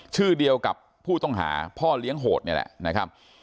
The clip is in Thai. ชื่อเดียวกับผู้ต้องหาพ่อเลี้ยงโหดนี่แหละนะครับ